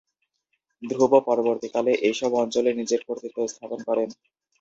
ধ্রুব পরবর্তীকালে এই সব অঞ্চলে নিজের কর্তৃত্ব স্থাপন করেন।